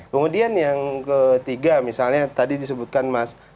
kemudian yang ketiga misalnya tadi disebutkan mas